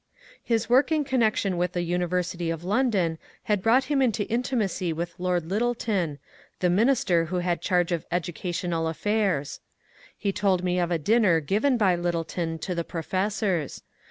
His work in connection with the University of London had brought him into intimacy with Lord Lyttleton, the min ister who bad charge of educational affairs. He told me of a dinner given by Lyttleton to the professors.